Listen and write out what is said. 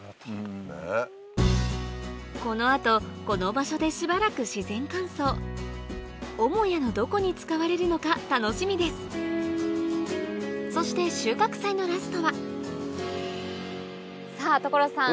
この後この場所でしばらく母屋のどこに使われるのか楽しみですそして収穫祭のラストはさぁ所さん